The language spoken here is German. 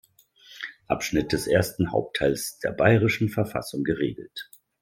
Abschnitt des Ersten Hauptteils der Bayerischen Verfassung geregelt.